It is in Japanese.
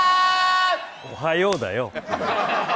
おはようだよ。